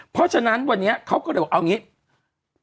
เพราะฉะนั้นวันนี้เขาก็เลยบอกเอาอย่างนี้